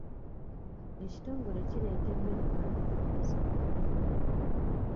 Ekitongole kireeta emmere abantu gye batasobola kufuna.